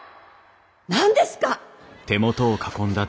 何ですか！